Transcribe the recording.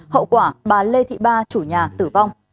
hậu quả bà lê thị ba chủ nhà tử vong